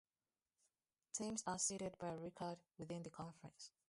Teams are seeded by record within the conference.